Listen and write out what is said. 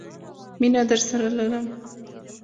مینه درسره لرم